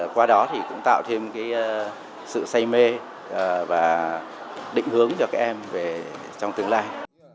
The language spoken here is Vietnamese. qua đó cũng tạo thêm sự say mê và định hướng cho các em trong tương lai